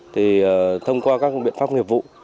thì thông qua các biện pháp nghiệp vụ